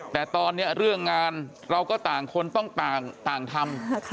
แต่ตอนนี้เรื่องงานเราก็ต่างคนต้องต่างทำ